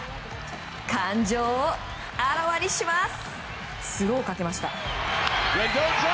感情をあらわにします。